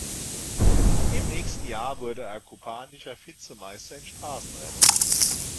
Im nächsten Jahr wurde er kubanischer Vizemeister im Straßenrennen.